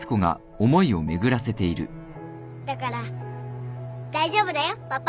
だから大丈夫だよパパ。